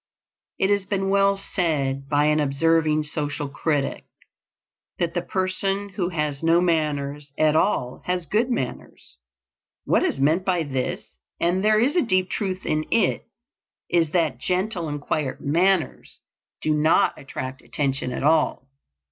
It has been well said by an observing social critic, that the person who has no manners at all has good manners. What is meant by this, and there is a deep truth in it, is that gentle and quiet manners do not attract attention at all.